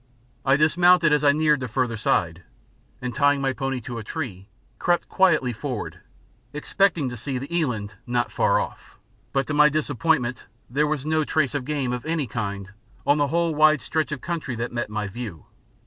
I dismounted as I neared the further side, and, tying my pony to a tree, crept quietly forward, expecting to see the eland not far off; but to my disappointment there was no trace of game of any kind on the whole wide stretch of country that met my view.